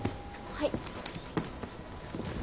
はい。